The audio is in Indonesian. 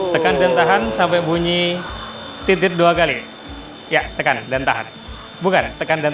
tekan dan tahan sampai bunyi titip dua kali ya tekan dan tahan bukan tekan dan